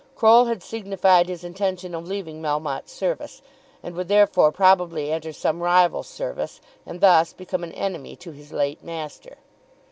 Croll had signified his intention of leaving Melmotte's service, and would therefore probably enter some rival service, and thus become an enemy to his late master.